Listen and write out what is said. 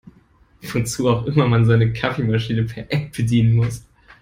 Wozu auch immer man seine Kaffeemaschine per App bedienen muss.